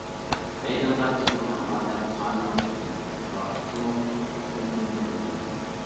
مەيدانغا چىقىدىغان ئادەم سانىمۇ چەكلەنمىگەن، ۋاقىتتىمۇ كونكرېت بەلگىلىمە بولمىغان.